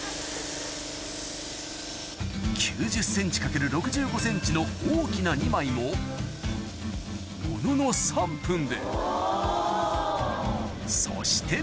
９０ｃｍ×６５ｃｍの大きな２枚もものの３分でそして